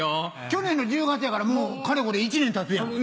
去年の１０月やからもうかれこれ１年たつやん。